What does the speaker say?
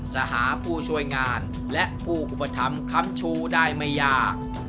จะหาผู้ช่วยงานและผู้อุปถัมภ์คำชูได้ไม่ยาก